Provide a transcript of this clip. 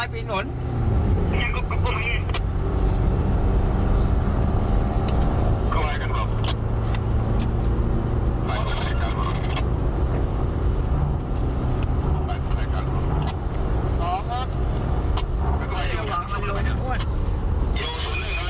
ไม่ต้องเรื่องงานหรอกเพราะมันก็ไม่ต้องเรื่องงาน